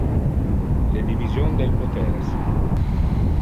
Le division del poteres.